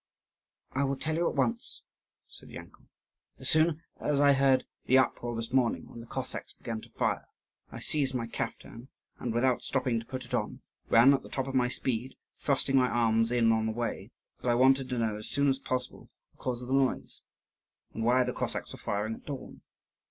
"I will tell you at once," said Yankel. "As soon as I heard the uproar this morning, when the Cossacks began to fire, I seized my caftan and, without stopping to put it on, ran at the top of my speed, thrusting my arms in on the way, because I wanted to know as soon as possible the cause of the noise and why the Cossacks were firing at dawn.